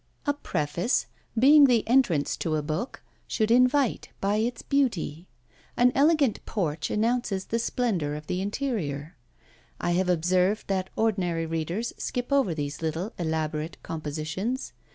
A preface, being the entrance to a book, should invite by its beauty. An elegant porch announces the splendour of the interior. I have observed that ordinary readers skip over these little elaborate compositions.